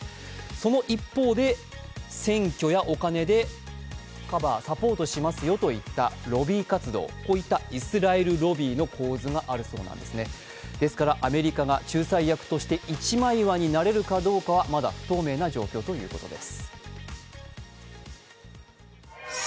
その一方、選挙やお金でカバーサポートしますよというロビー活動、こういったイスラエルロビーの構図があるそうなんですねですからアメリカが仲裁役として一枚岩になれるかどうかは、まだ不透明な状況ということです。